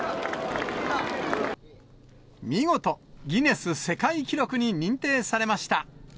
見事、ギネス世界記録に認定されました。